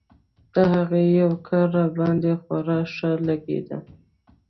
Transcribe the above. د هغې يو کار راباندې خورا ښه لګېده.